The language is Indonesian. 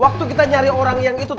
waktu kita nyari orang yang itu